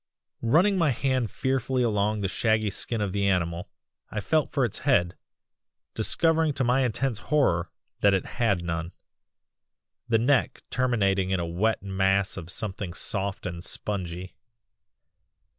"Running my hand fearfully along the shaggy skin of the animal, I felt for its head, discovering to my intense horror that it had none, the neck terminating in a wet mass of something soft and spongy.